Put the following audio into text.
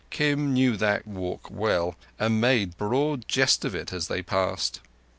Kim knew that walk well, and made broad jest of it as they passed.